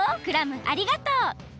クラムありがとう！